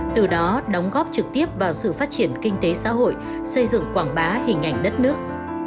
từ đó đóng góp trực tiếp vào sự phát triển kinh tế xã hội xây dựng quảng bá hình ảnh đất nước